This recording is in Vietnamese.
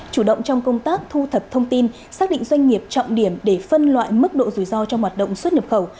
chủ động trong công tác thu thập thông tin xác định doanh nghiệp trọng điểm để phân loại mức độ rủi ro trong hoạt động xuất nhập khẩu